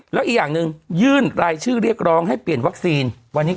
แล้วอีจ่างนึงยื่นรายชื่อเรียกร้องให้เปลี่ยนวัคซีน